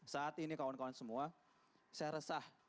saat ini kawan kawan semua saya resah